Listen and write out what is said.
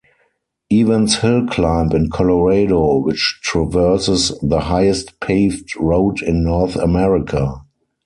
Evans Hill Climb in Colorado, which traverses the highest paved road in North America.